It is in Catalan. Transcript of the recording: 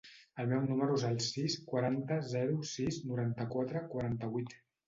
El meu número es el sis, quaranta, zero, sis, noranta-quatre, quaranta-vuit.